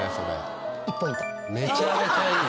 めちゃめちゃいい。